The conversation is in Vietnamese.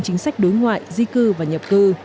chính sách đối ngoại di cư và nhập cư